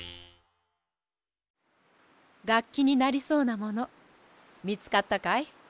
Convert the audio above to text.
がっきになりそうなものみつかったかい？